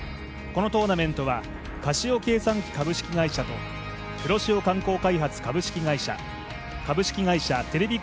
このトーナメントはカシオ計算機株式会社と黒潮観光開発株式会社、株式会社テレビ